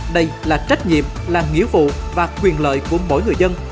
đây là trách nhiệm là nghĩa vụ và quyền lợi của mỗi người dân